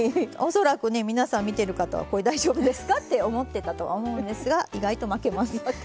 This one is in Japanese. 恐らくね皆さん見てる方はこれ大丈夫ですかって思ってたとは思うんですが意外と巻けます。